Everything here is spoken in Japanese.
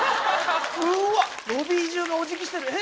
うわロビー中がおじぎしてるえ！